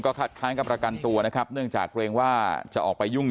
คัดค้างกับประกันตัวนะครับเนื่องจากเกรงว่าจะออกไปยุ่ง